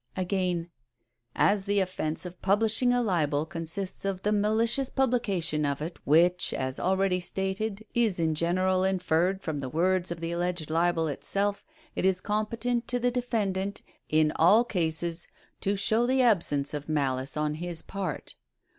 139 Again, "As the offence of publishing a libel consists in the malicious publication of it, which, as already stated, is in general inferred from the words of the alleged libel itself, it is competent to the defendant, in all cases, to show the absence of malice on his part."